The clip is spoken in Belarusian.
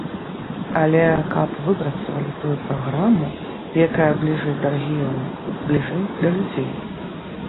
Але каб выпрацавалі тую праграму, якая бліжэй да рэгіёнаў, бліжэй да людзей.